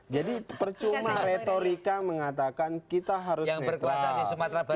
jadi percuma retorika mengatakan kita harus netral